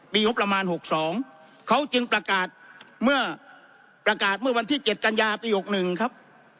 ปียกประมาณหกสองเขาจึงประกาศเมื่อประกาศเมื่อวันที่เจ็ดกัญญาปียกหนึ่งครับ